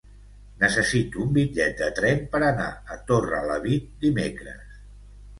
Necessito un bitllet de tren per anar a Torrelavit dimecres.